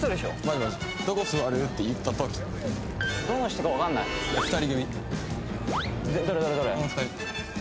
「どこ座る？」って言った時どの人かわかんない２人組どれどれ？